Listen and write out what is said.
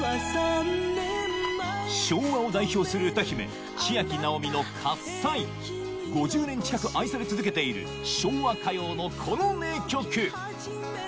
昭和を代表する歌姫５０年近く愛され続けている昭和歌謡のこの名曲